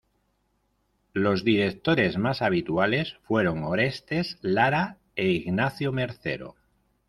Los directores más habituales fueron Orestes Lara e Ignacio Mercero.